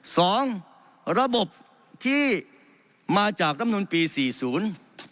สองระบบที่มาจากรำนูลปีสี่ศูนย์